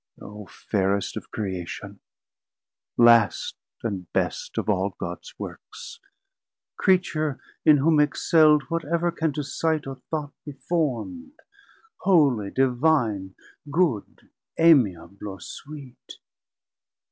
O fairest of Creation, last and best Of all Gods Works, Creature in whom excell'd Whatever can to sight or thought be found, Holy, divine, good, amiable, or sweet!